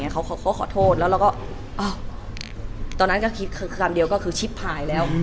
เขาก็ขอโทษแล้วเราก็ตอนนั้นก็คิดคือคำเดียวก็คือชิปพายแล้ว